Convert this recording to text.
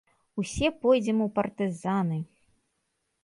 Усе пойдзем у партызаны!